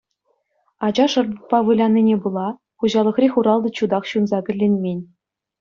Ача шӑрпӑкпа вылянине пула, хуҫалӑхри хуралтӑ чутах ҫунса кӗлленмен.